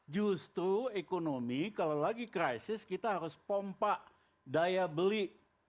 justru ekonomi kalau lagi krisis kita harus pompa daya beli